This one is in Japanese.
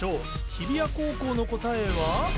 日比谷高校の答えは？